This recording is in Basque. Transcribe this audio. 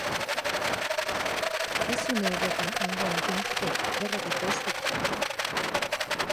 Ez une horretan hagoen kinkatik, gerratik baizik.